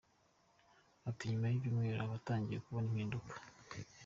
Ati “Nyuma y’icyumweru uba utangiye kubona impinduka.